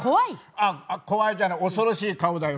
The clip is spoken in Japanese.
あっ怖いじゃない恐ろしい顔だよ。